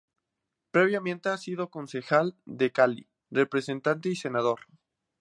Previamente había sido concejal de Cali, representante y senador.